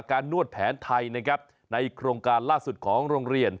อ้าวนี่ไง